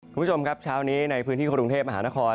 คุณผู้ชมครับเช้านี้ในพื้นที่กรุงเทพมหานคร